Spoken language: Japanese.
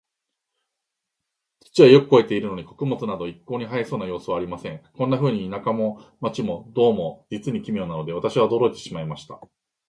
土はよく肥えているのに、穀物など一向に生えそうな様子はありません。こんなふうに、田舎も街も、どうも実に奇妙なので、私は驚いてしまいました。